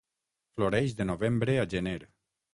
Floreix de novembre a gener.